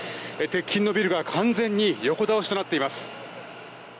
鉄筋のビルが完全に横倒しとなっています。